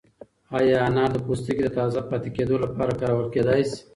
ایا انار د پوستکي د تازه پاتې کېدو لپاره کارول کیدای شي؟